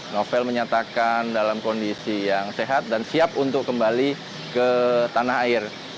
novel menyatakan dalam kondisi yang sehat dan siap untuk kembali ke tanah air